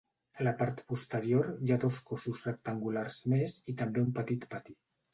A la part posterior hi ha dos cossos rectangulars més, i també un petit pati.